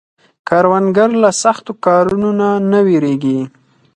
کروندګر له سختو کارونو نه نه ویریږي